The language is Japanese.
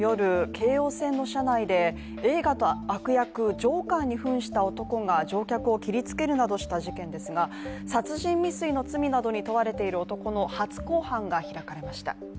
京王線の車内で映画の悪役・ジョーカーにふんした男が乗客を切りつけるなどした事件ですが殺人未遂の罪などに問われている男の初公判が開かれました。